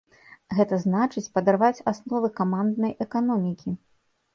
Гэта значыць, падарваць асновы каманднай эканомікі.